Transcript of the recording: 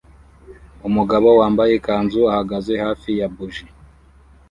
Umugabo wambaye ikanzu ahagaze hafi ya buji